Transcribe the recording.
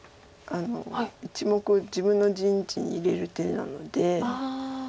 １目自分の陣地に入れる手なので。